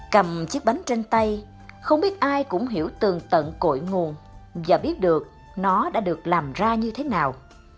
cầm chiếc bánh trên tay không biết ai cũng hiểu tường tận cội nguồn và biết được nó đã được làm ra như thế nào